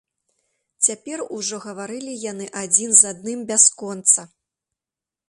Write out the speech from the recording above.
Цяпер ужо гаварылі яны адзін з адным бясконца.